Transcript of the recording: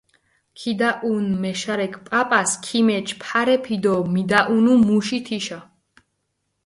ქიდაჸუნჷ მეშარექ პაპას, ქიმეჩჷ ფარეფი დო მიდაჸუნუ მუში თიშა.